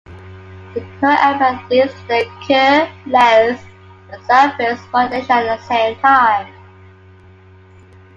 The Kerr effect leads to the Kerr-lens and Self-phase modulation at the same time.